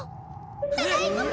ただいまポ！